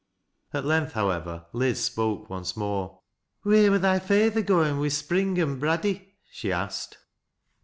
At length, however, Liz spoke once more. " Wheer wur thy f eyther goin' wi' Spring an' Braddy ?" she asked.